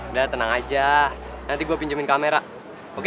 udah tenang aja nanti gue pinjemin kamera oke